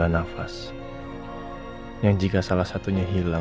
nanti kita ketemuan